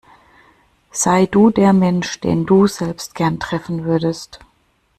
Sei du der Mensch, den du selbst gern treffen würdest.